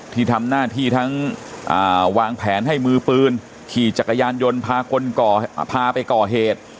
ที่ทำหน้าที่ทั้งวางแผนให้มือปืนขี่จักรยานยนต์พาคนพาไปก่อเหตุ